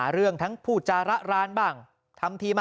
วันนี้ทีมข่าวไทยรัฐทีวีไปสอบถามเพิ่ม